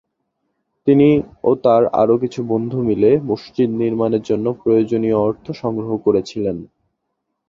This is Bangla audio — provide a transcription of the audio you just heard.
তিনি ও তার আরো কিছু বন্ধু মিলে মসজিদ নির্মাণের জন্য প্রয়োজনিয় অর্থ সংগ্রহ করেছিলেন।